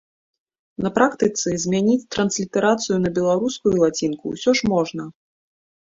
На практыцы змяніць транслітарацыю на беларускую лацінку ўсё ж можна.